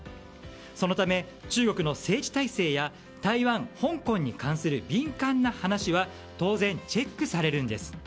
そのため中国の政治体制や台湾、香港に関する敏感な話は当然チェックされるんです。